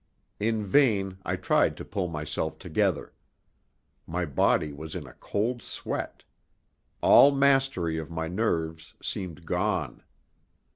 In vain I tried to pull myself together. My body was in a cold sweat. All mastery of my nerves seemed gone.